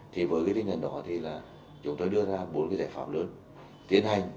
thì với cái tính nhân đó thì là chúng tôi đưa ra bốn cái giải pháp lớn tiến hành